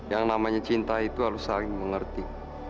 yang namanya cinta itu harus saling mengerti